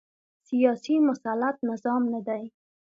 سیاسي مسلط نظام نه دی